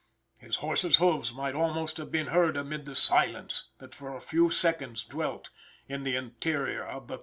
His horse's hoofs might almost have been heard amid the silence that for a few seconds dwelt in the interior of the theater.